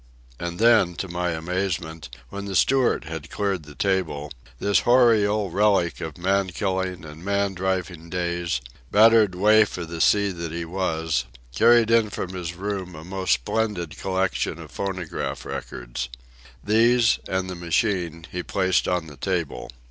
And then, to my amazement, when the steward had cleared the table, this hoary old relic of man killing and man driving days, battered waif of the sea that he was, carried in from his room a most splendid collection of phonograph records. These, and the machine, he placed on the table.